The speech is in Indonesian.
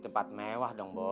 tempat mewah dong bos